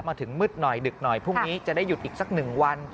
มาถึงมืดหน่อยดึกหน่อยพรุ่งนี้จะได้หยุดอีกสักหนึ่งวัน